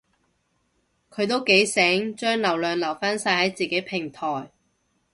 佢都幾醒，將流量留返晒喺自己平台